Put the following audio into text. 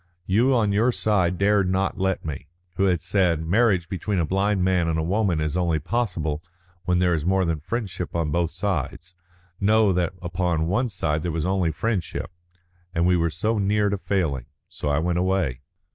You on your side dared not let me, who had said 'Marriage between a blind man and a woman is only possible when there is more than friendship on both sides,' know that upon one side there was only friendship, and we were so near to failing. So I went away."